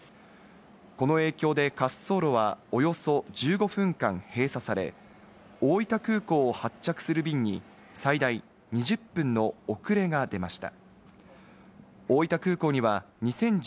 この影響で滑走路はおよそ１５分間閉鎖され、大分空港を発着する便に最大２０分の遅れが出ました。